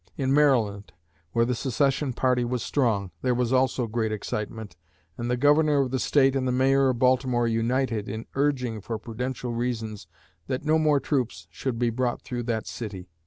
In Maryland, where the secession party was strong, there was also great excitement, and the Governor of the State and the Mayor of Baltimore united in urging, for prudential reasons, that no more troops should be brought through that city."